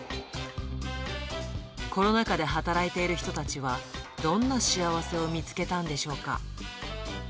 コロナ禍で働いている人たちは、どんな幸せを見つけたんでしょうか。